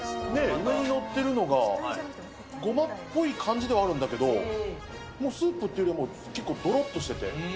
上に載ってるのが、ごまっぽい感じではあるんだけど、もうスープっていうより、結構どろっとしてて。